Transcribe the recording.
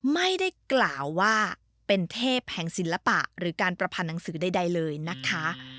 ไม่ได้กล่าวว่าเป็นเทพแห่งศิลปะหรือการประพันธ์หนังสือใดเลยนะคะ